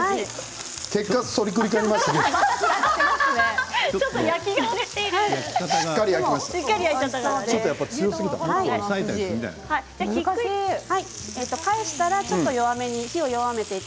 結果反りくり返しました。